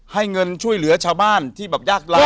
เงินช่วยเหลือชาวบ้านที่แบบยากร้าย